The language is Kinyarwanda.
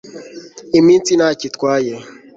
Iminsi ntacyo itwaye